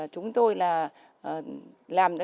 chúng tôi là